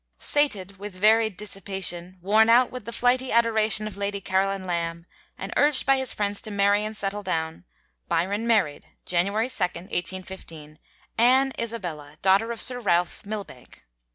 Sated with varied dissipation, worn out with the flighty adoration of Lady Caroline Lamb, and urged by his friends to marry and settle down, Byron married (January 2d, 1815) Anne Isabella, daughter of Sir Ralph Milbanke.